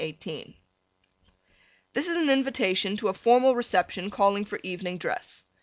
This is an invitation to a formal reception calling for evening dress.